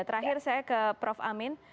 terakhir saya ke prof amin